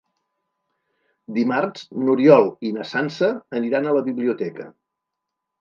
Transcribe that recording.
Dimarts n'Oriol i na Sança aniran a la biblioteca.